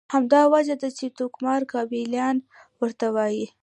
همدا وجه ده چې ټوکمار کابلیان ورته وایي.